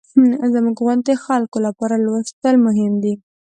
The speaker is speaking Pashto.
زموږ غوندې خلکو لپاره لوستل مهم دي.